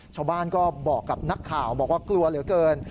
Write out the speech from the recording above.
ชาวบ้านก็บอกกับนักข่าวบอกว่ากลัวเหลือเกิน